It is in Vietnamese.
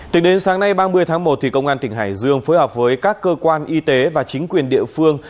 tính đến sáng nay ba mươi tháng một công an tỉnh hải dương phối hợp với các cơ quan y tế và chính quyền địa phương